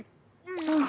そう。